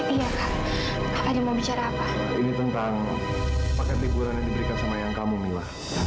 iya kak hanya mau bicara apa ini tentang paket liburan yang diberikan sama yang kamu mila